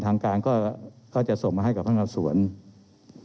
เรามีการปิดบันทึกจับกลุ่มเขาหรือหลังเกิดเหตุแล้วเนี่ย